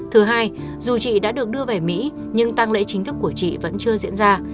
thứ hai dù chị đã được đưa về mỹ nhưng tăng lễ chính thức của chị vẫn chưa diễn ra